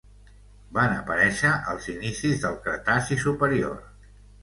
Van aparèixer als inicis del Cretaci superior.